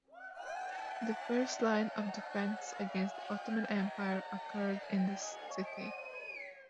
The first line of defense against the Ottoman Empire occurred in this city.